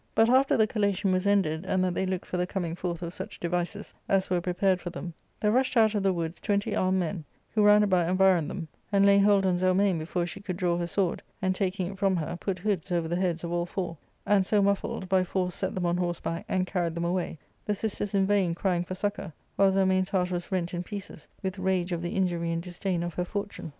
But after the collation was ended, and that they looked for the coming forth of such devices as were prepared for them, there rushed out of the woods twenty armed men, who round about environed them, and, laying hold on Zelmane before she could draw her sword, and taking it from her, put hoods over the heads of all four, and, so muffled, by force set them on horseback and carried them away, the sisters in vain crying for succour, while Zelmane's heart was rent in pieces with rage of the injury and disdain of her fortune.